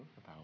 tau ga gitu